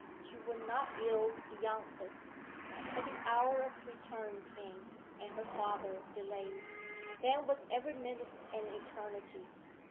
She would not yield beyond this. But the hour of return came, and her father delayed. Then was every minute an eternity.